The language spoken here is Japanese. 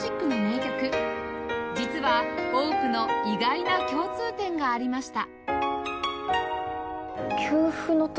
実は多くの意外な共通点がありました